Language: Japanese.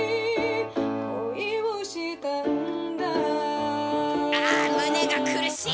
「恋をしたんだ」ああ胸が苦しい。